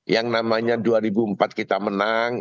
yang namanya dua ribu empat kita menang